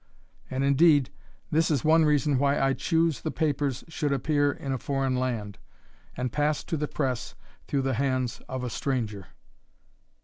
And indeed, this is one reason why I choose the papers should appear in a foreign land, and pass to the press through the hands of a stranger."